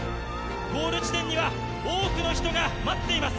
ゴール地点には、多くの人が待っています。